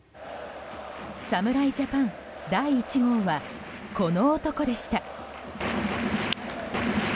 侍ジャパン第１号はこの男でした。